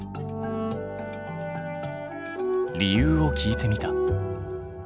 理由を聞いてみた。